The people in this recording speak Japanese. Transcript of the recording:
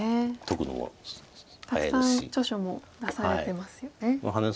たくさん著書も出されてますよね。